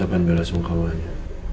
siapkan belas mengkawalnya